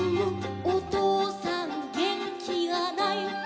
おとうさんげんきがない」